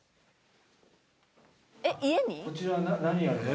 えっ家に？